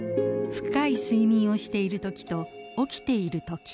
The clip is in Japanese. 深い睡眠をしている時と起きている時。